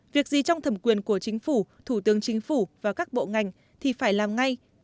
việc gì trong thẩm quyền của chính phủ thủ tướng chính phủ và các bộ ngành thì phải làm ngay